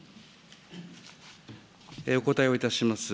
お答えをいたします。